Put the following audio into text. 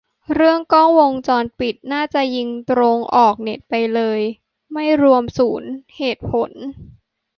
เรื่องกล้องวงจรปิด น่าจะยิงตรงออกเน็ตไปเลย ไม่รวมศูนย์ เหตุผล